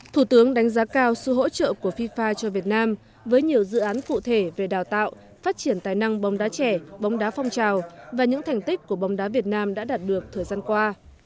thủ tướng đánh giá cao sự hỗ trợ của fifa cho việt nam với nhiều dự án cụ thể về đào tạo phát triển tài năng bóng đá trẻ bóng đá phong trào và những thành tích của bóng đá việt nam đã đạt được thời gian qua